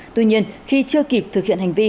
tuy nhiên khi chưa kịp thực hiện hành vi